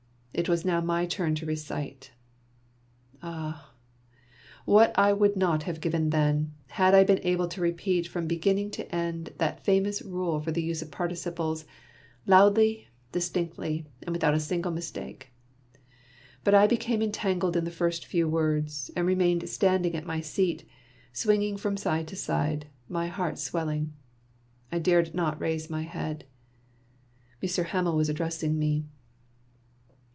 It was now my turn to recite. AhJ what would I not have given then, had I been able to repeat from beginning to end that famous rule for the use of participles loudly, distinctly, and without a single mistake ; but I became en The Last Lesson, 5 tangled in the first few words, and remained stand ing at my seat, swinging from side to side, my heart swelling. I dared not raise my head. Mon _sieiir Ham.el was addressing me.